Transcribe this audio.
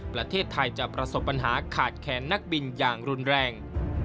ประเทศไทยจะประสบปัญหาขาดแค้นนักบินอย่างรุนแรง